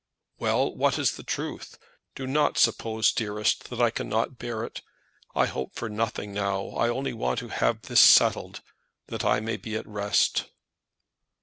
"Well; what is the truth? Do not suppose, dearest, that I cannot bear it. I hope for nothing now. I only want to have this settled, that I may be at rest."